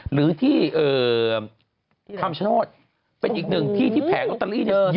หรือที่คลามชาติเป็นอีกหนึ่งที่ที่แผงลอตเตอรี่เยอะที่สุด